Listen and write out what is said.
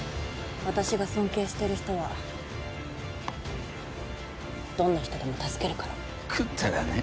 私が尊敬してる人はどんな人でも助けるからくっだらねえ